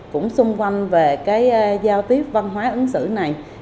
cũng xung quanh về cái giao tiếp văn hóa ứng xử này